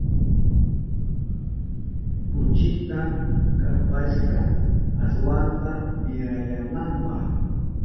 Kuchita kapashka ashwanta wirayananpa.